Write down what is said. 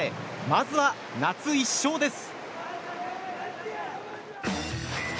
まずは夏１勝です。